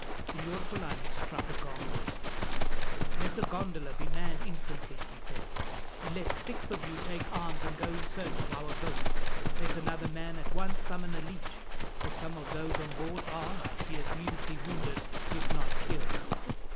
Signor Polani struck a gong. "Let a gondola be manned instantly," he said, "and let six of you take arms and go in search of our boat. Let another man at once summon a leech, for some of those on board are, I fear, grievously wounded, if not killed."